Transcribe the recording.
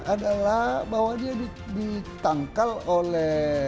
adalah bahwa dia ditangkal oleh